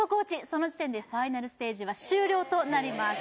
その時点でファイナルステージは終了となります